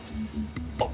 あっ。